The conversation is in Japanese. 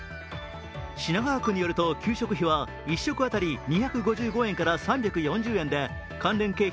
品川区によると給食費は１食あたり２５５円から３４０円で関連経費